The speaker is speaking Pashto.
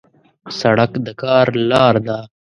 سړک د کار لار ده.